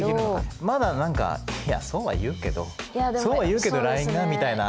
まだ何か「いやそうは言うけどそうは言うけどＬＩＮＥが」みたいな。